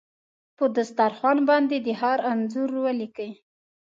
په دسترخوان باندې د ښار انځور ولیکې